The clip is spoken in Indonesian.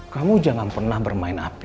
kamu jangan pernah bermain api